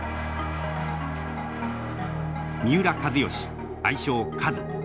三浦知良愛称カズ。